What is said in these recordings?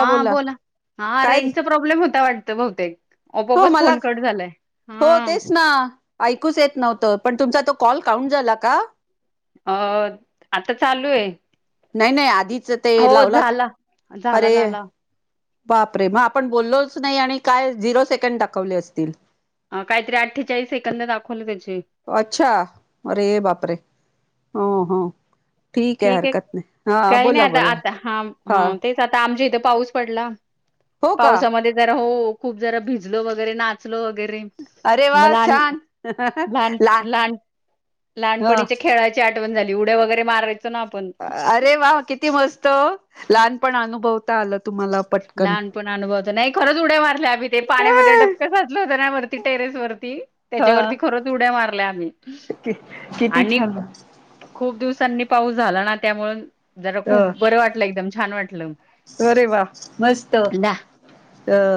हा बोला हा काय रेजचा प्रॉब्लेम होता वाटत बहुतेक हो ओपोपच मला फोन कट झालाय. हो हा तेच ना ऐकूच येत नव्हतं पण तुमचा तो कॉल काउंट झाला का? अ आता चालूय. नाही नाही आधीच ते लावलात झाला झाला अरे झाला बापरे मग आपण बोललोच नाही आणि काय झिरो सेकंड दाखवले असतील. अ काहीतरी अठ्ठेचाळीस सेकंद दाखवले त्याचे. अच्छा अरे बापरे हो हो ठीक आहे हरकत नाही हा काही नाही बोला आता बोला आता हा हा. तेच आता आमच्या इथे पाऊस पडला हो का पावसामध्ये जरा हो खूप जरा भिजलो वगैरे नाचलो वगैरे. अरे वा म लहान छान लान ला -लहान ह लहानपणीच्या खेळा ची आठवण झाली उड्या वगरै मारायचो ना. आपण अरे वा किती मस्त लहानपण अनुभवता आलं तुम्हाला. पटकन लहान पण अनुभव होत नाय खरंच उड्या मारल्या आम्ही ते पाण्यामध्ये डपक साचल होतं ना वरती टेरेस वरती. हा त्याच्यावरती खरच उड्या मारल्या आम्ही. किती आणि छान. खूप दिवसांनी पाऊस झाला ना त्यामुळं जरा अ खूप बरं वाटलं एकदम छान वाटलं. अरे वा मस दा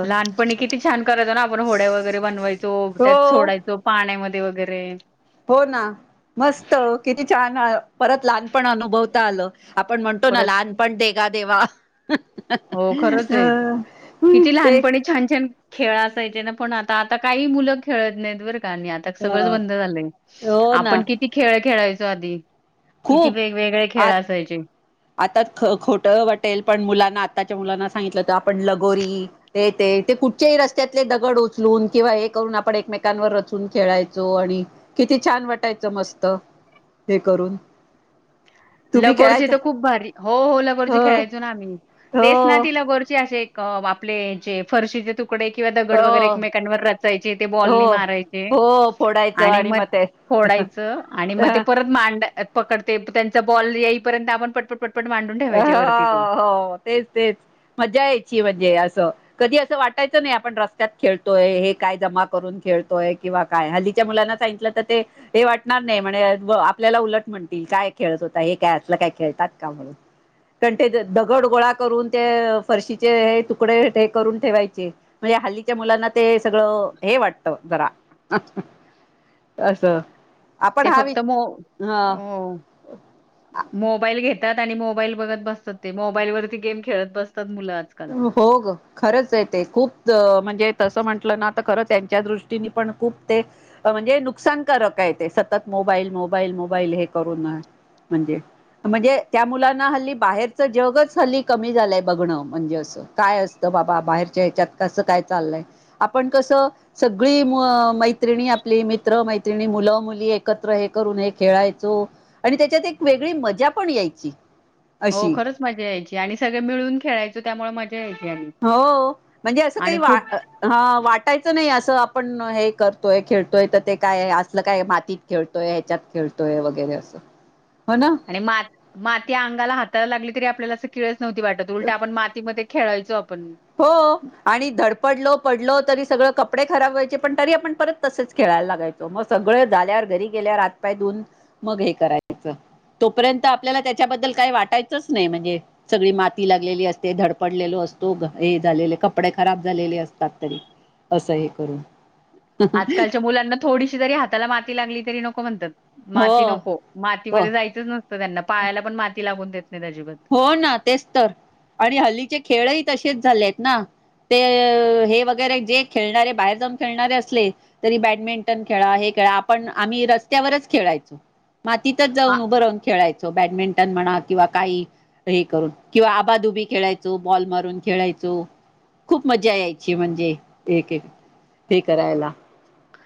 लहानपणी किती छान करायचो ना आपण होड्या वगैरे बनवायचो हो त्यात सोडाय चो पाण्यामध्ये वगैरे. हो ना मस्त किती छान परत लहानपण अनुभवता आलं. आपण म्हणतो ना परत लहानपण देगा देवा. हो खरच अ ए किती ते लहानपणी छान छान खेळ असायचे ना पण आता आता काही मुलं खेळत नायत बरं का आणि आ त्यात सगळंच अ बंद झालंय हो ना आपण किती खेळ खेळायचो आधी. किती खूप वेगवेगळे आ खेळ असायचे. आता ख- खोट वाटेल पण मुलांना आत्ताच्या मुलांना सांगितलं तर आपण लगोरी हे ते कुठचेही रस्त्यातले दगड उचलून किंवा हे करून आपण एकमेकांवर रचून खेळायचो. आणि किती छान वाटायचं मस्त हे करून. तुम्ही लगोरचे खेळायचं तर खूप भारी, हो हो लगोरचे खेळायचो ना आम्ही. तेच ना हो ति लगोरचे अशे एक आपले जे फरशीचे तूक तुकडे किंवा दगड वगैरे हो एकमेकांवर रचायचे ते बॉल हो मारायचे. हो फोडायचं आणि म मग ते फोडायचं आणि मग ते परत मांडय पकडते त्यांचा बॉल येईपर्यंत आपण पटपट पटपट मांडून हो ठेवायचे वरती ते. हो तेच तेच मजा यायची म्हणजे असं कधी असं वाटायचं नाय आपण रस्त्यात खेळतोय हे काय जमा करून खेळतोय किंवा काय हल्लीच्या मुलांना सांगितलं तर ते हे वाटणार नाय म्हणजे आपल्याला उलट म्हणतील काय खेळत होता हे काय असलं काय खेळतात का म्हणून. कंटेज दगड गोळा करून ते फरशीचे हे तुकडे हे करून ठेवायचे. म्हणजे हल्लीच्या मुलांना ते सगळं हे वाटत जरा. असं. आपण ते हा वि फक्त मो ह मोबाईल घेतात आणि मोबाईल बघत बसतात ते मोबाईल वरती गेम खेळत बसतात मुलं आजकाल. हो ग. खरंच आय ते खूप म्हणजे तसं म्हंटलं ना तर खरंच त्यांच्या दृष्टीने पण खूप ते म्हणजे नुकसानकारक आय ते सतत मोबाईल मोबाईल मोबाईल हे करून. म्हणजे म्हणजे त्या मुलांना हल्ली बाहेरचं जगच हल्ली कमी झालंय बघणं. म्हणजे असं काय असतं बाबा बाहेरच्या ह्याच्यात कसं काय चाललंय आपण कसं सगळी म -मैत्रिणी आपली मित्र मैत्रिणी मुलं मुली एकत्र हे करून हे खेळायचो. आणि त्याच्यात एक वेगळी मज्जा पण यायची. हो अशी खरंच मज्जा यायची आणि सगळे मिळून खेळायचो त्यामुळे मज्जा यायची आणि. हो म्हणजे असं काही आणि वा खूप हा वाटायचं नाही असं आपण हे करतोय खेळतोय तर ते काय असलं काय मातीत खेळतोय ह्याच्यात खेळतोय वगैरे असं हो ना. मा माती अंगाला हातायला लागली तरी आपल्याला असं किळस नव्हती वाटत उलट आपण मातीमध्ये खेळायचो आपण. हो. आणि धडपडलो पडलो तरी सगळं कपडे खराब व्हायचे पण तरी आपण परत तसेच खेळायला लागायच. मग सगळं झाल्यावर घरी गेल्यावर हात, पाय धुऊन मग हे करायच. तोपर्यंत आपल्याला त्याच्याबद्दल काही वाटायचंच नाही म्हणजे सगळी माती लागलेली असते धडपडलेलो असतो. हे झालेले कपडे खराब झालेले असतात तरी असं हे करून. आजकालच्या मुलांना थोडीशी जरी हाताला माती लागली तरी नको म्हणतात. हो माती नको हो मातीमध्ये जायचंच नसतं त्यांना पायाला पण माती लागून देत नाही अजिबात. हो ना तेच तर आणि हल्लीचे खेळही तसेच झाले आहेत ना. ते हे वगैरे जे खेळणारे बाहेर जाऊन खेळणारे असले तरी बॅडमिंटन खेळा हे खेळा आपण आम्ही रस्त्यावरच खेळायचो. मातीतच हा जाऊन उभं राहून खेळायचो बॅडमिंटन म्हणा किंवा काही हे करून किंवा आबाधुबी खेळायचो बॉल मारून खेळायचो खूप मज्जा यायची म्हणजे एक, एक हे करायला.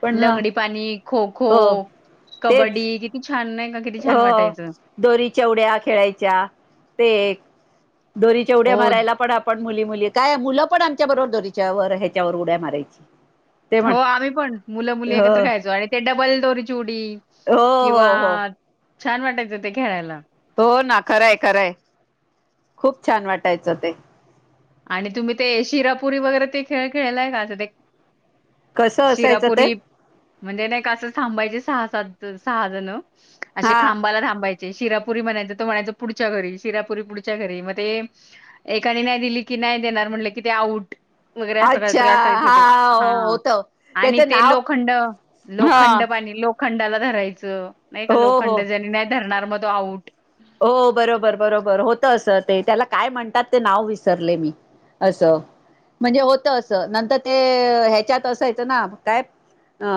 पण लंगडी पाणी खो खो हो कबड्डी तेच किती छान नाही का किती छान हो वाटायचं दोरीच्या उड्या खेळायच्या ते दोरीच्या उड्या हो मारायला पण आपण पण मुली, मुली काय मुलं पण आच्या बरोबर दोरीच्या व ह्याच्यावर उड्या मारायची. ते हो म्हण आम्ही पण मुलं, मुली हो एकत्र खायचो आणि ते डबल दोरीची उडी हो किंवा हो हो छान वाटायचं ते खेळायला. हो ना खरंय, खरंय खूप छान वाटायचं ते- आणि तुम्ही ते शिरापुरी वगैरे ते खेळ खेळलाय का आता ते कसं असायचं ते शिरापुरी म्हणजे नाही कां थांबायचे सहा, सात, सहा जण- असे हा खांबाला थांबायचे शिरापुरी म्हणायच तो म्हणायच पुढच्या घरी शिरापुरी पुढच्या घरी मग ते एकाने नाही दिली की नाही देणार म्हटलं कि ते आउट. वगैरे अस काही अच्छा तरी असायच ते, हा हो हा होत आणि त्याचं ते नाव लोखंड, हा लोखंड पाणी लो लोखंडाला धरायचं नाही का हो हो लोखंड ज्यानी नाही धरणार मग तो आऊट. हो बरोबर, बरोबर होत अस ते त्याला काय म्हणतात ते नाव विसरले मी असं म्हणजे होत असं नंतर ते ह्याच्यात असायच ना काय अ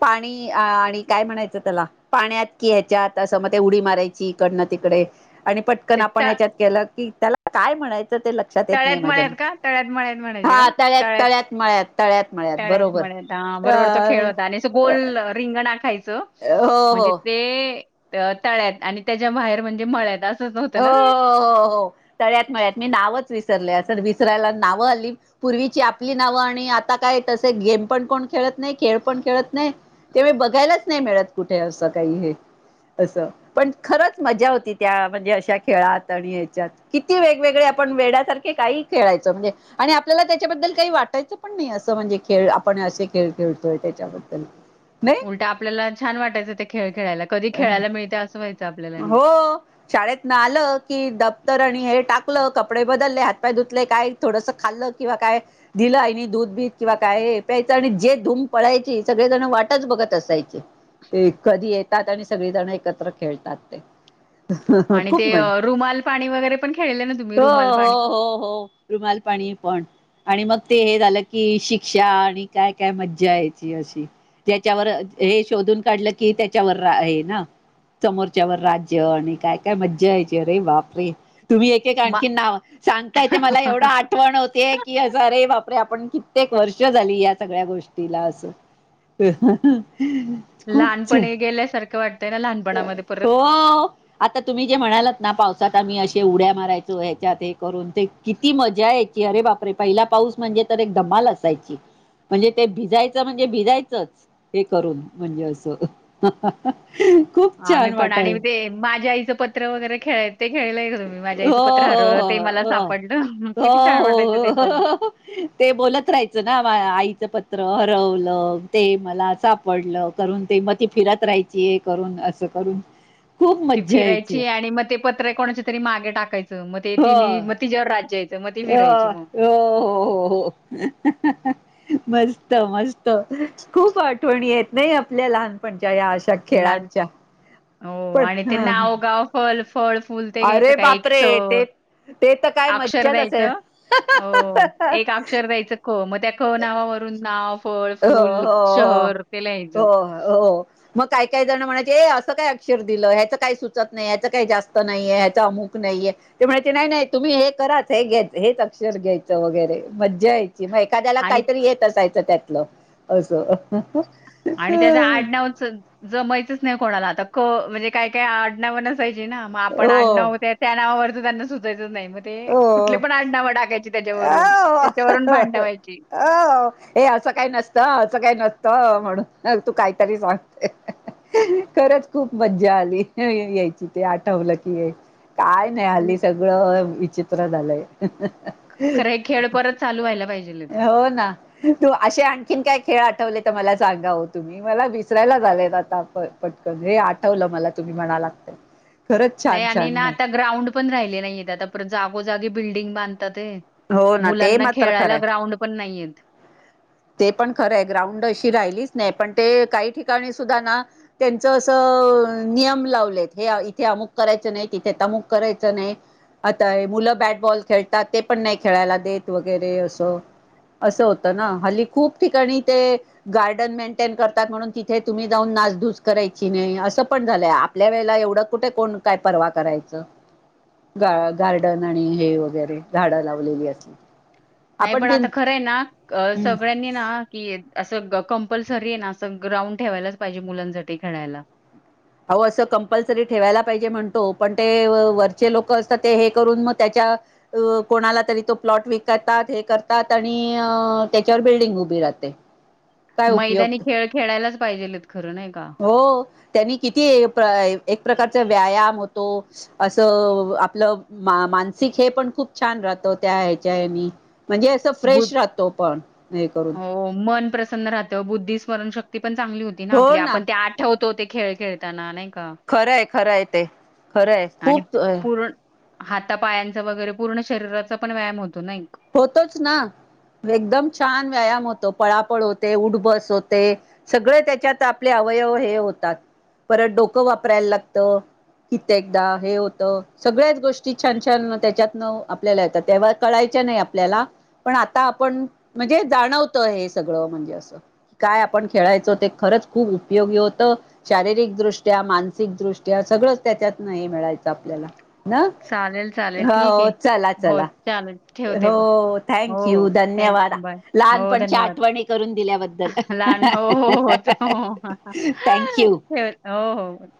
पाणी आणि काय म्हणायचं त्याला पाण्यात कि ह्याच्यात असं मग ते उडी मारायची इकडन तिकडे आणि पटकन ते आपण त याच्यात केलं की त्याला काय म्हणायचं ते लक्ष लक्षात येत नाही तळ्यात माझ्या मळ्यात का तळ्यात मळ्यात म्हणायचे हा का तळ्यात, तळ्यात, मळ्यात, तळ्यात, मळ्यात तळ्यात बरोबर. मळ्यात हा अ बरोबर तो खेळ होता आणि असं गोल रिंगन आखायचं हो म्हणजे हो ते तळ्यात आणि त्याच्या बाहेर म्हणजे मळ्यात अस हो हो हो तळ्यात, मळ्यात मी नावच विसरले असंल विसरायला नावं हल्ली पूर्वीची आपली नाव आणि आता काय तस गेम पण कोण खेळत नाही, खेळ पण खेळत नाही. खेळ मी बघायलाच नाही मिळत कुठे असं काही हे असं पण खरचं मजा होती त्या म्हणजे अशा खेळात आणि याच्यात किती वेगवेगळे आपण वेड्यासारखे काही खेळायचं म्हणजे आणि आपल्याला त्याच्याबद्दल काही वाटायचं पण नाही असं म्हणजे खेळ आपण असे खेळ, खेळतोय त्याच्याबल [unintelligible] उलट आपल्याला छान वाटायचं ते खेळ खेळायला कधी खेळायला मिळते असं व्हायचं आपल्याला नाही. हो. शाळेतन आलं की दफ्तर आणि हे टाकलं कपडे बदलले हातपाय धुतले काय थोडंसं खाल्लं किंवा काय दिल आईनी दूध बीध किंवा काय प्यायचं आणि जे धूम पळायची सगळेजण वाटच बघत असायचे. ते कधी येतात आणि सगळी जण एकत्र खेळतात ते आणि खुप ते अ, मज्जा रुमाल पाणी वगैरे पण खेळले ना तुम्ही रुमाल हो पाणी हो हो रुमाल पाणी पण आणि मग ते हे झालं की शिक्षा आणि काय काय मज्जा यायची अशी त्याच्यावर हे शोधून काढलं की त्याच्यावर आहे ना समोरच्यावर राज्य आणि काय काय मज्जा यायची अरे बापरे तुम्ही एक एक बा आणखी नाव सांगताये ते मला एवढं आठवण होतीये की अरे बापरे आपण कित्येक वर्ष झाली या सगळ्या गोष्टीला असं. [unintelligible] छान लहानपणी गेल्यासारंख वाटतंय ना लहानप हो. आता तुम्ही जे म्हणालत ना पावसात आम्ही असे उड्या मारायचो ह्याच्यात हे करून ते किती मज्जा यायची अरे बापरे पहिला पाऊस म्हणजे तर एक धमाल असायची. म्हणजे ते भिजायचं म्हणजे भिजायचंच. हे करून म्हणजे असं खूप आम्ही छान पण आणि वाटाय ते माझ्या आईचं पत्र वगैरे खेळायच ते खेळलंय का तुम्ही माझ्या हो आईचं पत्र हरवलं ते मला हो सापडलं हो किती छान वाटयचं ते हो पण हो ते बोलत राहायचं ना आईचं पत्र हरवलं ते मला साप पडलं करून ते म ती फिरत राहायची हे करून असं करून [inaudible] खूप ती मज्जा यायची फिरायची आणि मग ते पत्र कोणाच्या तरी मागे टाकायचं म ते तिनी म तिच्यावर राज्य मग ती अ फिरायची मग. हो हो हो. मस्त मस्त खूप आठवणी हेत नाही आपल्या लहानपणच्या या अशा त्या लहान खेळांच्या हो पण आणि ते ह नाव, गाव, फल फळ फूल ते घ्यायचं अरे काय एकस बापरे ते ते तर काय अक्षर मज्जाच असेल द्यायचं अ एक अक्षर द्यायचं क मग त्या क नावावरून नाव फळ हो फूल हो हो शहर ते लिहायचं. हो हो. मग काही काही जण म्हणायचे असं काय अक्षर दिलं ह्याच काही सुचत नाही ह्याच काही जास्त नाहीये ह्याच अमुक नाहीये. ते म्हणायचे नाही नाही तुम्ही हे करा हे घ्यायं हेच अक्षर घ्यायचं वगैरे मजा यायची माहि का त्याला आणि काहीतरी येत असायचं त्यातलं असं आणि त्याच आडनावच जमयचंच नाही कोणाला आता क म्हणजे काय काय आडनाव नसायची ना मग आपण हो आडनाव त्यात त्या नावावर तर त्यांना सुचायचंच नाही मग ते कुठले हो पण आडनाव टाकायची त्याच्यावरून अ त्याच्यावरून भांडण व्हायची. अ ये असं काही नसतं अ असं काही नसतं म्हणून तू काहीतरी सांगते. खरंच खूप मज्जा आली यायची ते आठवलं की ये काय नाही अं, हल्ली सगळं विचित्र झालंय. खरंय खेळ परत चालू व्हायला पाहिजेल येत. हो ना तू अशे आणखीन काय खेळ आठवले तर मला सांगा, ओ तुम्ही मला विसरायला झालेत आता पण पटकन हे आठवलं मला तुम्ही म्हणालात ते [inaudible] खरंच नाही छान आणि छान ना आता मग ग्राउंड पण राहिले नाहीत आता परत जागोजागी बिल्डिंग बांधतात येत. हो ना ते मुलांना मात्र खेळायला खरंय ग्राउंड पण नाही येत. ते पण खरं आहे ग्राउंड अशी राहिलीच नाही पण ते काही ठिकाणी सुद्धा ना त्यांचं असं अ नियम लावलेत हे इथे अमुक करायचं नाही. तिथे तमुक करायचं नाही. आता हे मुलं बॅटबॉल खेळतात ते पण नाही खेळायला देत वगैरे असं असं होतं ना हल्ली खूप ठिकाणी ते गार्डन मेंटेन करतात म्हणून तिथे तुम्ही जाऊन नाचधूस करायची नाही असं पण झालंय आप आपल्या वेळेला एवढं कुठे कोण काय परर्वा करायचं गा- गार्डन आणि हे वगैरे झाडं लावलेलीयेत नाही आपण पण बिन आता खरं आहे ना, अ, सगळ्यांनी की येत असं कंपल्सरी येना अस ग्राउंड ठेवायलाच पाहिजे मुलांसाठी खेळायला. अव असं कंपल्सरी ठेवायला पाहिजे म्हणतो पण ते व-वरचे लोक असतात ते हे करून मग त्याच्या अ कोणाला तरी तो प्लॉट विकतात हे करतात आणि अ त्याच्यावर बिल्डिंग उभी राहते. काय मैदानी उपयोग खेळ खेळायलाच पाहिजेलेत खरं नाय का. हो त्यानी किती एक प्र-प्रकारचा व्यायाम होतो. असं आपलं मा-मानसिक हे पण खूप छान राहत. त्या ह्याच्यानी म्हणजेच फ्रेश बुध राहतो पण हे करून हो मन प्रसन राहत तर बुद्धि स्मरण शक्ती पण चांगली होती ना आपली आपण ते आठवतोते खेळ खेळताना नाही का? खरंय खरंय ते खरंय आणि खूप अ पूर्ण हातापायांचा वगैरे पूर्ण शरीराचा पण व्यायाम होतो ना होतोच ना एकदम छान व्यायाम होतो. पळापळ होते उठबस होते सगळे त्याच्यात आपले अवयव हे होतात. परत डोकं वापरायला लागतं. कित्येकदा हे होतं सगळ्याच गोष्टी छान छान त्याच्यातन आपल्याला येतात तेव्हा कळाय चा नाय आपल्याला पण आता आपण म्हणजे जाणवत हे सगळं म्हणजे असं काय आपण खेळायचो ते खरंच खूप उपयोगी होतं. शारीरिक दृष्ट्या, मानसिकदृष्ट्या सगळं त्याच्यातन हे मिळायचं आपल्याला ना चालेल, चालेल ठीक हव आहे. चला हो चला चालेल. ठेवते म हो हो थँक हो यू थँक धन्यवाद बाय हो लहानपणच्या धन्यवाद. आठवणी करून दिल्याबद्दल [unintelligible] लहान हो हो हो हो ठेव हो हो हो हा थँक यू हा हो हो [unintelligible]